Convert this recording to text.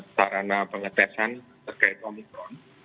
sarana pengetesan terkait omikron